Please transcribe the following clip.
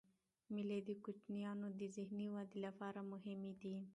مېلې د کوچنيانو د ذهني ودي له پاره مهمي دي.